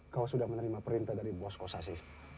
kau sudah menerima perintah dari bos kosasi